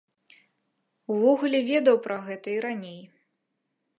Увогуле ведаў пра гэта і раней.